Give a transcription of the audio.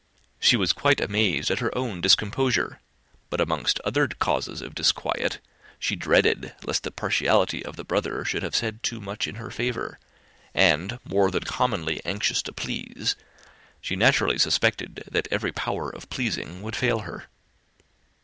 She was quite amazed at her own discomposure; but, amongst other causes of disquiet, she dreaded lest the partiality of the brother should have said too much in her favour; and, more than commonly anxious to please, she naturally suspected that every power of pleasing would fail her.